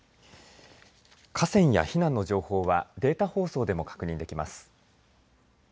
河川や避難の情報はデータ放送でも確認できます。